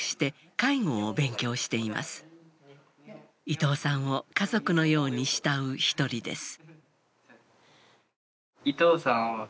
伊藤さんを家族のように慕う一人です。